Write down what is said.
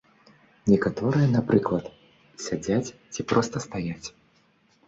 Некаторыя, напрыклад, сядзяць ці проста стаяць.